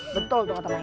betul dong teman